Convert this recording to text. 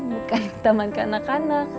bukan taman ke anak anak